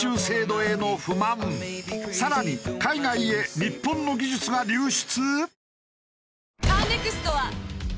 更に海外へ日本の技術が流出！？